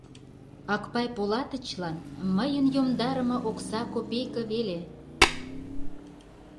Акпай Полатычлан мыйын йомдарыме окса копейке веле.